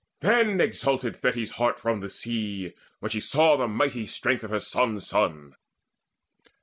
Then exulted Thetis' heart When from the sea she saw the mighty strength Of her son's son.